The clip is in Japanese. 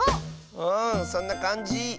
うんそんなかんじ！